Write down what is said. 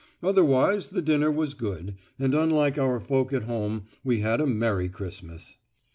Otherwise the dinner was good, and unlike our folk at home we had a merry Christmas.